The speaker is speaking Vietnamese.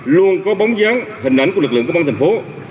luôn có bóng dáng hình ảnh của lực lượng công an thành phố